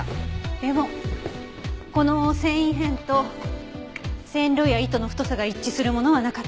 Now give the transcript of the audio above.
でもこの繊維片と染料や糸の太さが一致するものはなかった。